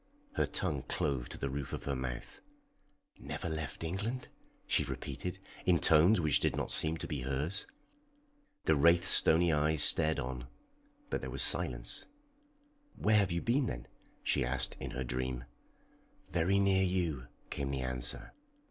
Her tongue clove to the roof of her mouth. "Never left England?" she repeated, in tones which did not seem to be hers. The wraith's stony eyes stared on, but there was silence. "Where have you been then?" she asked in her dream. "Very near you," came the answer.